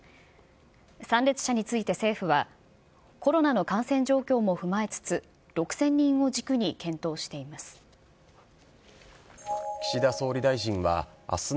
参列者について政府は、コロナの感染状況も踏まえつつ、６０００人を軸に検討しています。